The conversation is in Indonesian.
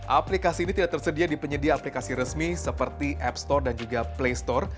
aplikasi ini tidak tersedia di penyedia aplikasi resmi seperti app store dan juga play store